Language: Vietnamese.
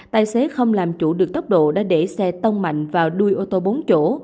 tài xế không làm chủ được tốc độ đã để xe tông mạnh vào đuôi ô tô bốn chỗ